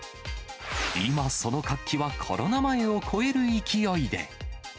今、その活気はコロナ前を超える勢いで。